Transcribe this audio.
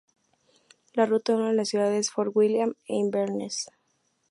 La ruta une las ciudades de Fort William e Inverness.